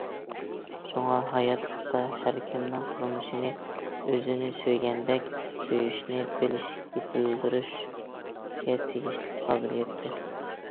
شۇڭا، ھاياتلىقتا ھەركىمنىڭ تۇرمۇشنى ئۆزىنى سۆيگەندەك سۆيۈشنى بىلىشى يېتىلدۈرۈشكە تېگىشلىك قابىلىيەتتۇر.